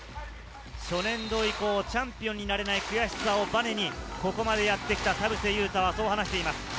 初年度以降、チャンピオンになれない悔しさをバネに、ここまでやってきた田臥勇太は話しています。